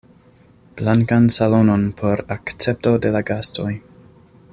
Blankan salonon por akcepto de la gastoj.